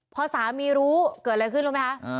พอสามีรู้เกิดอะไรขึ้นรู้ไหมคะ